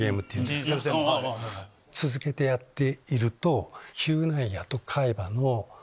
続けてやっていると。